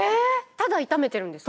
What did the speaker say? ただ炒めてるんですか？